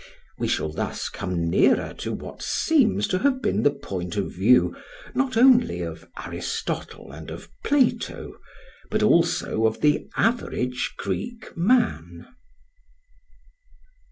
We shall thus come nearer to what seems to have been the point of view not only of Aristotle and of Plato, but also of the average Greek man.